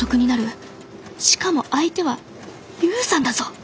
しかも相手は勇さんだぞ！